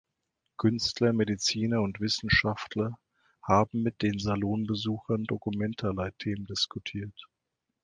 Künstler, Mediziner und Wissenschaftler haben mit den Salon-Besuchern Documenta-Leitthemen diskutiert.